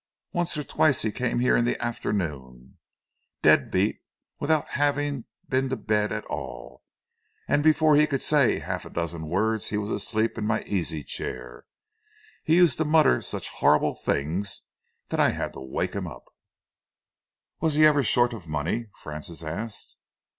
Once or twice he came here in the afternoon, dead beat, without having been to bed at all, and before he could say half a dozen words he was asleep in my easy chair. He used to mutter such horrible things that I had to wake him up." "Was he ever short of money?" Francis asked.